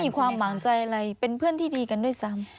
ความหวังใจอะไรเป็นเพื่อนที่ดีกันด้วยซ้ำ